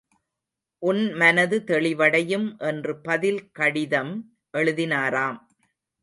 உன் மனது தெளிவடையும் என்று பதில் கடிதம் எழுதினாராம்.